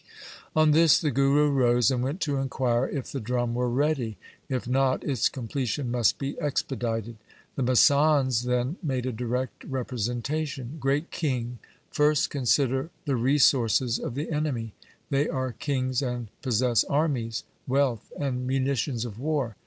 On this the Guru rose and went to inquire if the drum were ready. If not, its completion must be expedited. The masands then made a direct repre sentation :' Great King, first consider the resources of the enemy. They are kings and possess armies, wealth, and munitions of war.